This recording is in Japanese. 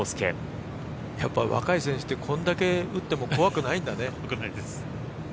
やっぱり若い選手てこれだけ打っても怖くないんだね。